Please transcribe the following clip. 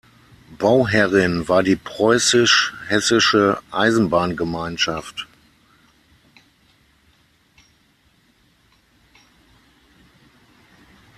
Bauherrin war die Preußisch-Hessische Eisenbahngemeinschaft.